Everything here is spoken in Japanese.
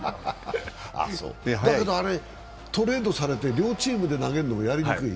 だけどトレードされて両チームで投げるのもやりにくい？